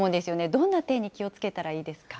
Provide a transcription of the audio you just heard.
どんな点に気をつけたらいいです